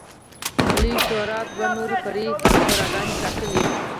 لویې شورا دوه نورې فرعي شوراګانې ټاکلې